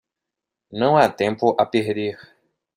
Não há tempo a perder